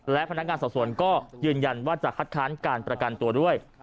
และพนักงานสอบสวนก็ยืนยันว่าจะคัดค้านการประกันตัวด้วย